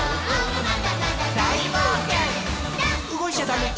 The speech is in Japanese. うごいちゃダメ。